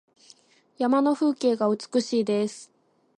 山の風景が美しいです。